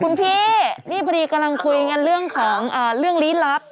คุณพี่นี่พอดีกำลังคุยกันเรื่องของเรื่องลี้ลับ